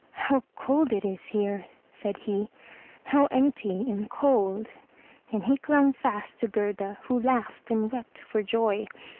"How cold it is here!" said he. "How empty and cold!*' And he clung fast to Gerda, who laughed and wept for joy.